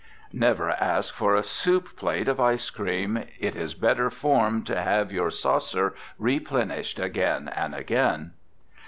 Never ask for a soup plate of ice cream. It is better form to have your saucer replenished again and again.